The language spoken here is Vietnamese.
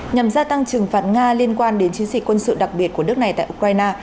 nhằm gia tăng trừng phạt nga liên quan đến chiến dịch quân sự đặc biệt của nước này tại ukraine